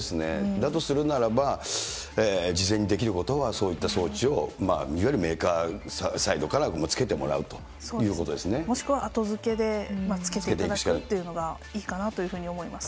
だとするならば、事前にできることは、そういった装置をいわゆるメーカーサイドからつけてもらうというもしくは後付けでつけていただくっていうのがいいかなというふうに思います。